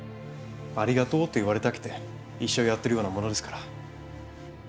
「ありがとう」と言われたくて医者をやっているようなものですから。